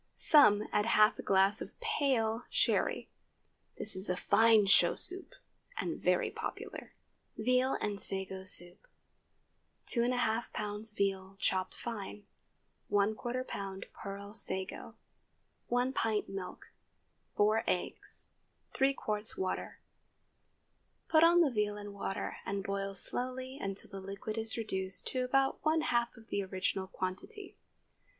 Some add half a glass of pale Sherry. This is a fine show soup, and very popular. VEAL AND SAGO SOUP. 2½ lbs. veal chopped fine. ¼ lb. pearl sago. 1 pt. milk. 4 eggs. 3 qts. water. Put on the veal and water, and boil slowly until the liquid is reduced to about one half the original quantity.